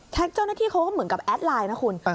เจ้าหน้าที่เขาก็เหมือนกับแอดไลน์นะคุณ